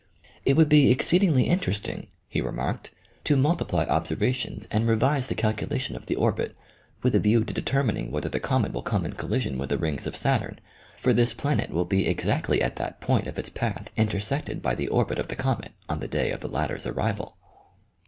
" It \vould be exceedingly interesting," he re marked, u to multiply observations and revise the calcula tion of the orbit, with a view to determining whether the comet will come in collision with the rings of Saturn ; for this planet will be exactly at that point of its path inter sected by the orbit of the comet, on the day of the latter 's arrival."